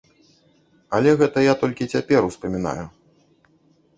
Але гэта я толькі цяпер успамінаю.